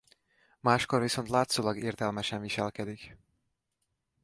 Máskor viszont látszólag értelmesen viselkedik.